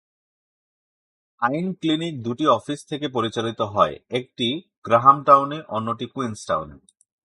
আইন ক্লিনিক দুটি অফিস থেকে পরিচালিত হয়, একটি গ্রাহামটাউনে এবং অন্যটি কুইন্সটাউনে।